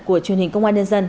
của truyền hình công an nhân dân